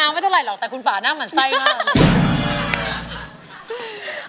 น้างาวไม่เฉอร่ายหรอกแต่คุณฝาน่าหมานไส้มาก